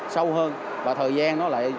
sâu hơn và thời gian nó lại